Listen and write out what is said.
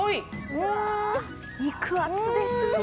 うわ肉厚ですね。